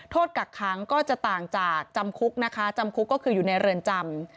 กักค้างก็จะต่างจากจำคุกนะคะจำคุกก็คืออยู่ในเรือนจำ